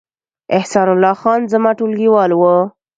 احسان الله خان زما ټولګیوال و